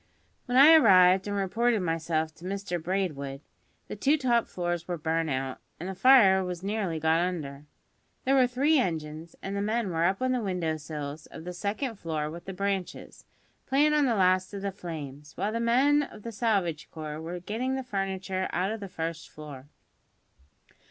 When I arrived and reported myself to Mr Braidwood, the two top floors were burnt out, and the fire was nearly got under. There were three engines, and the men were up on the window sills of the second floor with the branches, playin' on the last of the flames, while the men of the salvage corps were getting the furniture out of the first floor.